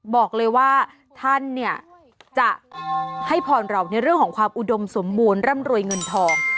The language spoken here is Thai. บอกเลยว่าท่านเนี่ยจะให้พรเราในเรื่องของความอุดมสมบูรณ์ร่ำรวยเงินทอง